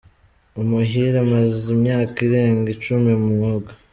Umuhire amaze imyaka irenga icumi mu mwuga.